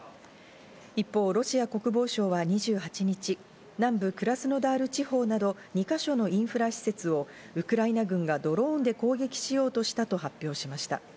一方、ロシア国防省は２８日、南部クラスノダール地方など２か所のインフラ施設をウクライナ軍がドローンで攻撃しようとしたと発表しました。